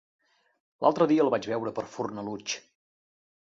L'altre dia el vaig veure per Fornalutx.